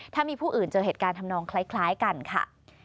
ถ้ามีผู้อื่นเจอเหตุการณ์ทำนองคล้ายกันค่ะ